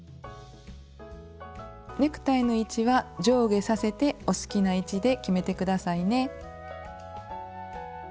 ネクタイの位置は上下させてお好きな位置で決めて下さいね。